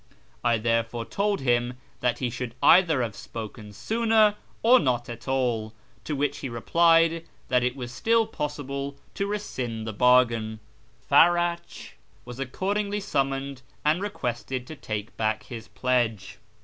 I therefore told him that lie should either have spoken sooner or not at all, to which he replied that it was still possible to rescind the bargain. Farach was accordingly summoned and requested to take back his pledge.